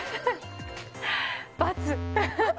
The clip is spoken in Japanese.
バツ。